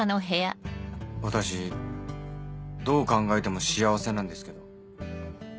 私どう考えても幸せなんですけど。